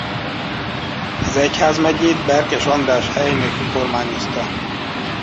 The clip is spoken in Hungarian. Az egyházmegyét Berkes András helynök kormányozta.